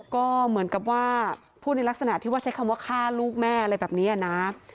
ก็เหมือนกับว่าพูดในลักษณะที่ว่าใช้คำว่าฆ่าลูกแม่อะไรแบบนี้นะ